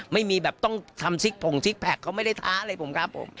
ไม่มีแบบต้องทำซิกผงซิกแพคเขาไม่ได้ท้าอะไรผมครับผม